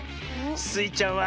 スイちゃんは。